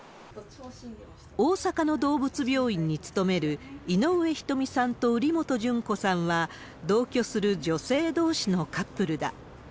大阪の動物病院に勤める井上ひとみさんと瓜本淳子さんは、同居する女性どうしのカップルだ。